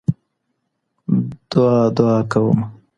دعا دعا كومه